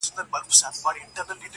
کورنۍ له دننه ماته سوې ده-